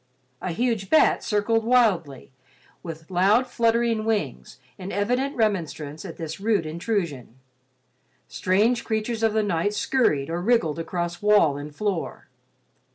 A huge bat circled wildly with loud fluttering wings in evident remonstrance at this rude intrusion. Strange creatures of the night scurried or wriggled across wall and floor.